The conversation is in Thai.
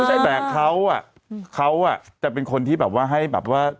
แจกเขาอ่ะเขาจะเป็นคนที่แบบว่าให้แบบว่า